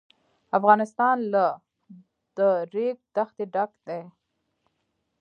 افغانستان له د ریګ دښتې ډک دی.